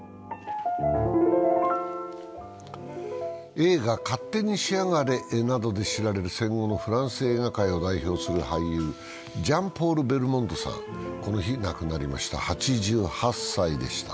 映画「勝手にしやがれ」などで知られる戦後のフランス映画界を代表する俳優、ジャン＝ポール・ベルモンドさん、この日亡くなりました、８８歳でした。